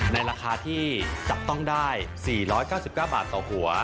ในราคาที่จับต้องได้๔๙๙บาทต่อหัว